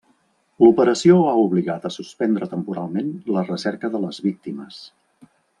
L'operació ha obligat a suspendre temporalment la recerca de les víctimes.